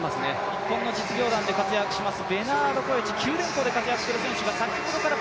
日本の実業団で活躍します